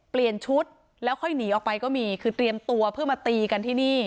เปลี่ยนชุดแล้วค่อยหนีออกไปก็มีคือเตรียมตัวเพื่อมาตีกันที่นี่